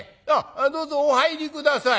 どうぞお入り下さい。